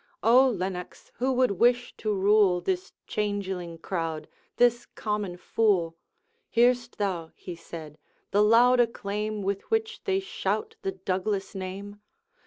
'O Lennox, who would wish to rule This changeling crowd, this common fool? Hear'st thou,' he said, 'the loud acclaim With which they shout the Douglas name?